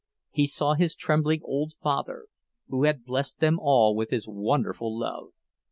He saw his trembling old father, who had blessed them all with his wonderful love.